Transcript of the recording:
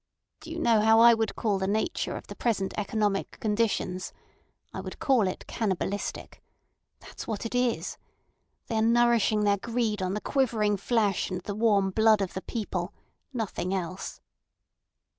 "Do you know how I would call the nature of the present economic conditions? I would call it cannibalistic. That's what it is! They are nourishing their greed on the quivering flesh and the warm blood of the people—nothing else."